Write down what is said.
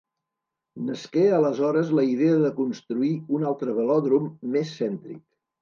Nasqué aleshores la idea de construir un altre velòdrom més cèntric.